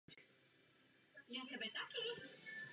Církev je považována za finský subjekt veřejné povahy.